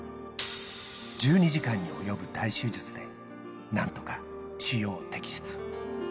１２時間に及ぶ大手術でなんとか腫瘍を摘出。